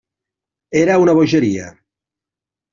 Era una bogeria.